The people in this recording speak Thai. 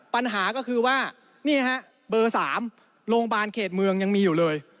ปัญหาก็คือว่านี่ฮะเบอร์๓โรงพยาบาลเขตเมืองยังมีอยู่เลย